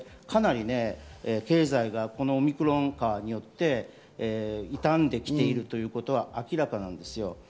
かなり経済がオミクロンによっていたんできているということは明らかなんです。